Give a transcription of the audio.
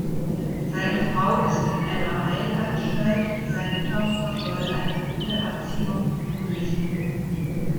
Seine Frau ist in einer Heilanstalt, seine Tochter soll eine gute Erziehung genießen.